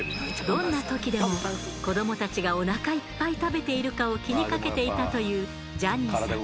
どんな時でも子どもたちがおなかいっぱい食べているかを気にかけていたというジャニーさん。